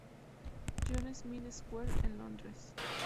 John’s Smith Square de Londres.